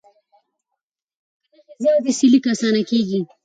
که نښې زیاتې سي، لیک اسانه کېږي.